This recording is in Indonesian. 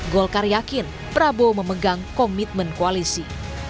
golkar yakin prabowo memegang komitmen koalisi